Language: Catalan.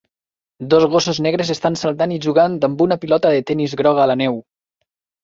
Dos gossos negres estan saltant i jugant amb una pilota de tenis groga a la neu.